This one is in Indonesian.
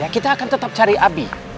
kita akan tetap cari abi